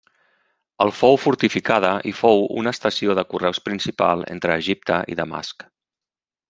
El fou fortificada i fou una estació de correus principal entre Egipte i Damasc.